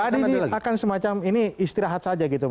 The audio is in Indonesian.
jadi ini akan semacam ini istirahat saja